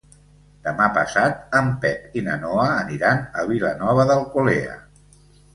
Demà passat en Pep i na Noa aniran a Vilanova d'Alcolea.